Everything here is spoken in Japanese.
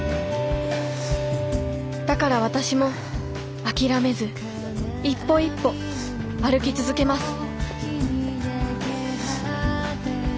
だから私も諦めず一歩一歩歩き続けます